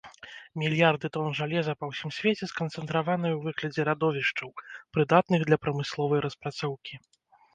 Мільярды тон жалеза па ўсім свеце сканцэнтраваныя ў выглядзе радовішчаў, прыдатных для прамысловай распрацоўкі.